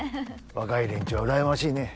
若い連中は羨ましいね。